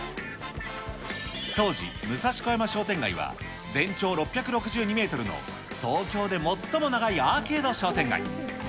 当時、武蔵小山商店街は、全長６６２メートルの東京で最も長いアーケード商店街。